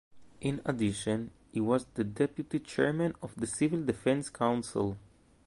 In addition, he was the deputy chairman of civil defense council.